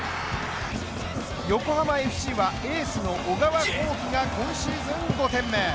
横浜ＦＣはエースの小川航基が今シーズン２点目。